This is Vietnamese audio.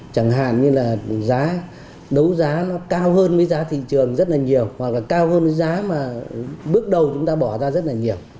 chẳng hạn như là giá đấu giá nó cao hơn với giá thị trường rất là nhiều hoặc là cao hơn giá mà bước đầu chúng ta bỏ ra rất là nhiều